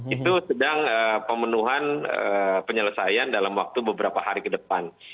itu sedang pemenuhan penyelesaian dalam waktu beberapa hari ke depan